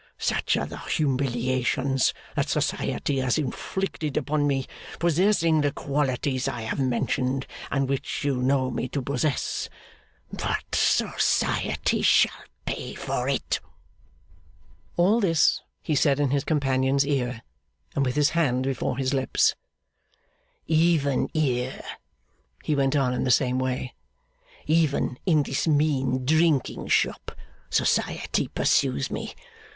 Such are the humiliations that society has inflicted upon me, possessing the qualities I have mentioned, and which you know me to possess. But society shall pay for it.' All this he said in his companion's ear, and with his hand before his lips. 'Even here,' he went on in the same way, 'even in this mean drinking shop, society pursues me.